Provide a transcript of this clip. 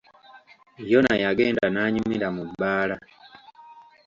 Yona yagenda n'anyumira mu bbaala.